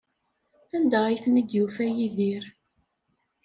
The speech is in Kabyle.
Anda ay ten-id-yufa Yidir?